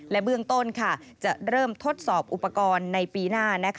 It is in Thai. และเบื้องต้นจะเริ่มทดสอบอุปกรณ์ในปีหน้า